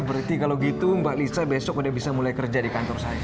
berarti kalau gitu mbak lisa besok udah bisa mulai kerja di kantor saya